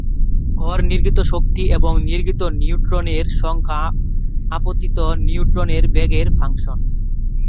গড় নির্গত শক্তি এবং নির্গত নিউট্রনের সংখ্যা আপতিত নিউট্রনের বেগের ফাংশন।